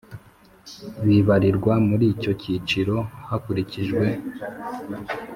Bibarirwa muri icyo cyiciro hakurikijwe